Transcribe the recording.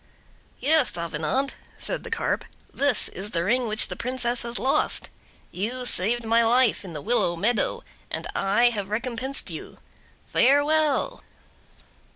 "Yes, Avenant," said the Carp, "this is the ring which the Princess has lost. You saved my life in the willow meadow, and I have recompensed you. Farewell!"